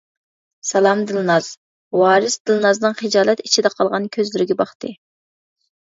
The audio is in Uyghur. -سالام دىلناز، -ۋارىس دىلنازنىڭ خىجالەت ئىچىدە قالغان كۆزلىرىگە باقتى.